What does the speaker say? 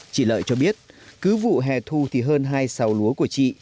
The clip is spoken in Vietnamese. chị lợi cho biết cứ vụ hè thu thì hơn hai xào lúa của chị